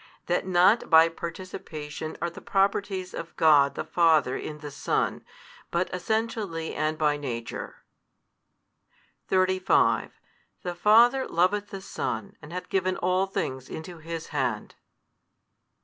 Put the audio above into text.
That not by participation are the Properties of God the Father in the Son, but Essentially and by Nature. 35 The Father loveth the Son and hath given all things into His Hand.